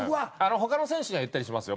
他の選手には言ったりしますよ。